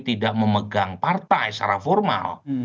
tidak memegang partai secara formal